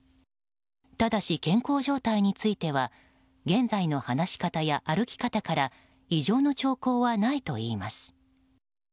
ただし健康状態については現在の話し方や歩き方から異常の兆候はないといいます。